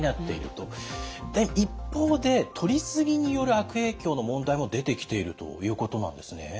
で一方でとりすぎによる悪影響の問題も出てきているということなんですね？